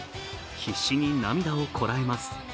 必死に涙をこらえます。